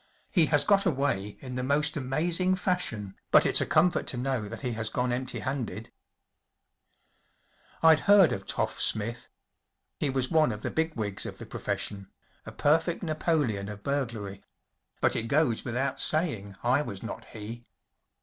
He has got away in the most amazing fashion, but it’s a comfort to know that he has gone empty handed.‚ÄĚ Digitized by Google * o I’d heard of “ Toff‚ÄĚ Smith. He was one of the big wigs of the profession‚ÄĒa perfect Napoleon of burglary‚ÄĒbut it goes without saying I was not he.